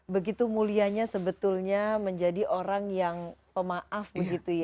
begitu mulianya sebetulnya menjadi orang yang pemaaf begitu ya